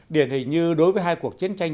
điển hình như đối với hai cuộc chiến tranh